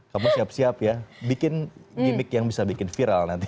kamu siap siap ya bikin gimmick yang bisa bikin viral nanti